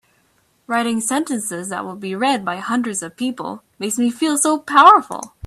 Writing sentences that will be read by hundreds of people makes me feel so powerful!